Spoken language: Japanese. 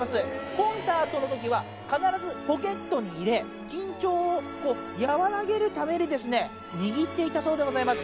コンサートのときは、必ずポケットに入れ、緊張をこう、和らげるために握っていたそうでございます。